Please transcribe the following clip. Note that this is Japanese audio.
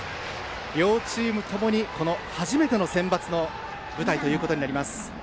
両チームともに初めてのセンバツの舞台となります。